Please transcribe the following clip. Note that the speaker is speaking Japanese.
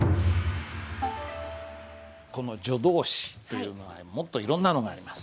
この助動詞というのはもっといろんなのがあります。